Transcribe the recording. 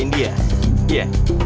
nggak bisa ngebahagiain dia